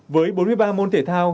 với bốn mươi ba môn thể thao